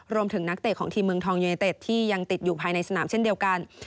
นักเตะของทีมเมืองทองยูเนเต็ดที่ยังติดอยู่ภายในสนามเช่นเดียวกัน